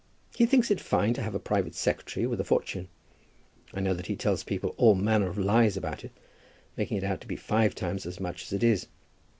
He thinks it fine to have a private secretary with a fortune. I know that he tells people all manner of lies about it, making it out to be five times as much as it is.